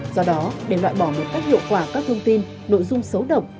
do đó để loại bỏ một cách hiệu quả các thông tin nội dung xấu độc